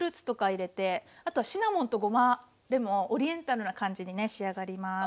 あとはシナモンとごまでもオリエンタルな感じにね仕上がります。